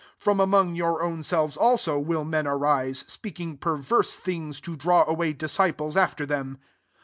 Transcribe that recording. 30 From among your own selves also, will men arise, speaking perverse things. to ,^v2i\7 B.w2iy disciples after them.